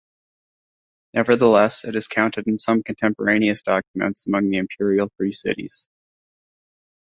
Nevertheless, it is counted in some contemporaneous documents among the Imperial Free Cities.